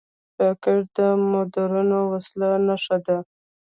راکټ د مدرنو وسلو نښه ده